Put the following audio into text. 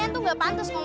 ini buat kamu